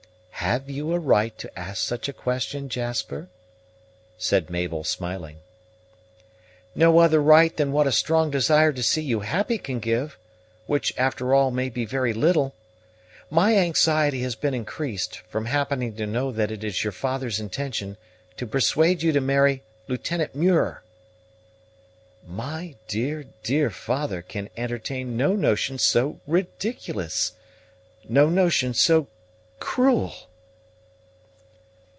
"Have you a right to ask such a question, Jasper?" said Mabel smiling. "No other right than what a strong desire to see you happy can give, which, after all, may be very little. My anxiety has been increased, from happening to know that it is your father's intention to persuade you to marry Lieutenant Muir." "My dear, dear father can entertain no notion so ridiculous no notion so cruel!"